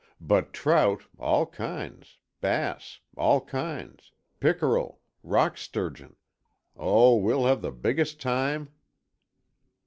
But trout, all kinds, bass, all kinds, pickerel, rock sturgeon—oh, we'll have the biggest time!"